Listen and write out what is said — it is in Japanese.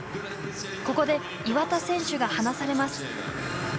ここで岩田選手が離されます。